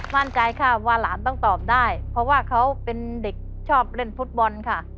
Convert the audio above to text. มั่นใจค่ะว่าหลานต้องตอบได้เพราะว่าเขาเป็นเด็กชอบเล่นฟุตบอลค่ะ